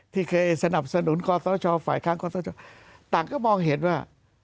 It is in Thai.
ที่เคยสนับสนุนข้อเท้าชอออกฝ่ายข้างข้อเท้าชอออกต่างก็มองเห็นว่า